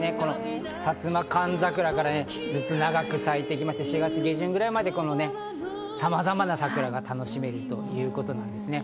サツマカンザクラからずっと長く咲いてきて、４月下旬ぐらいまでさまざまな桜が楽しめるということなんですね。